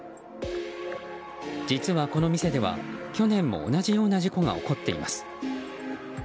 実はこの店では、去年も同じような事故が起こっています。